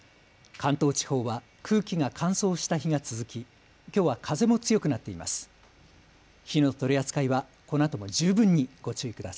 関東地方は空気が乾燥した日が続き、きょうは風も強くなっています。